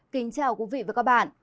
kính chào quý vị và các bạn